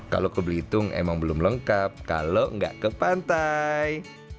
kalau ke belitung emang belum lengkap kalau nggak ke pantai